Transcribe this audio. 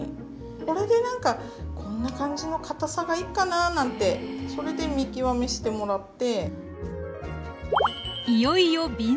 これでなんかこんな感じの堅さがいっかななんてそれで見極めしてもらって。